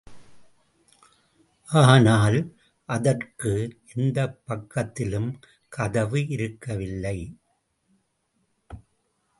ஆனால், அதற்கு எந்தப் பக்கத்திலும் கதவு இருக்கவில்லை.